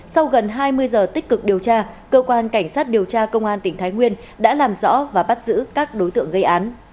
sau gần hai mươi giờ tích cực điều tra cơ quan cảnh sát điều tra công an tỉnh thái nguyên đã làm rõ và bắt giữ các đối tượng gây án